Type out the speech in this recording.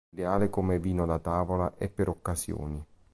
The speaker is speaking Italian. Ideale come vino da tavola e per occasioni.